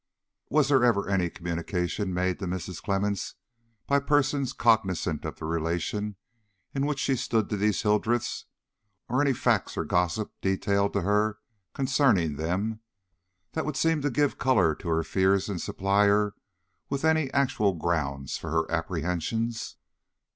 '" "Was there ever any communication made to Mrs. Clemmens by persons cognizant of the relation in which she stood to these Hildreths? or any facts or gossip detailed to her concerning them, that would seem to give color to her fears and supply her with any actual grounds for her apprehensions?"